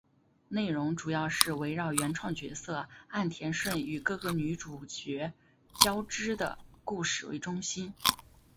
内容主要是围绕原创角色岸田瞬与各个女主角交织的故事为中心。